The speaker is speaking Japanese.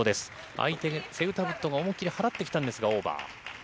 相手、セウタブットが思いっ切り払ってきたんですが、オーバー。